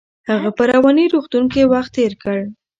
هغه په رواني روغتون کې وخت تیر کړ.